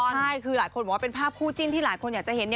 ใช่คือหลายคนบอกว่าเป็นภาพคู่จิ้นที่หลายคนอยากจะเห็น